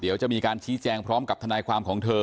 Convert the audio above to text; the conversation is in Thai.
เดี๋ยวจะมีการชี้แจงพร้อมกับทนายความของเธอ